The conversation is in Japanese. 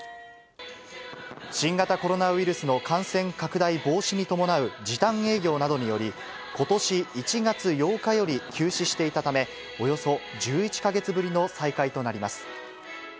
新型コロナウイルスの感染拡大防止に伴う時短営業などにより、ことし１月８日より休止していたため、およそ１１か月ぶりの再開となります。